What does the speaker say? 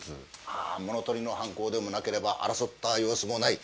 まあ物盗りの犯行でもなければ争った様子もない。